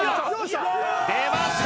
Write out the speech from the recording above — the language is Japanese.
出ました！